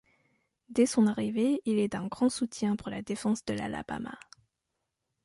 Dès son arrivée, il est d'un grand soutien pour la défense de l'Alabama.